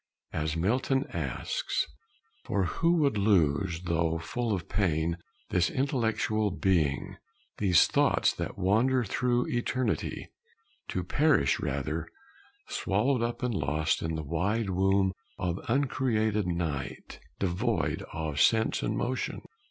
As Milton asks, "For who would lose, Though full of pain, this intellectual being, These thoughts that wander through eternity, To perish rather, swallowed up and lost In the wide womb of uncreated night, Devoid of sense and motion?"